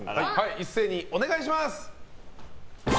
一斉にお願いします！